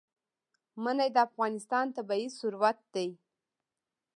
منی د افغانستان طبعي ثروت دی.